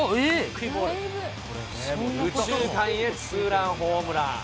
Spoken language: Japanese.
右中間へツーランホームラン。